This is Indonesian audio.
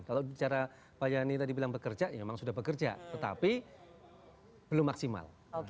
karena pak yani tadi bilang bekerja memang sudah bekerja tetapi belum maksimal